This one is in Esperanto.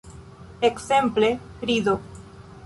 Ekzemple, rido.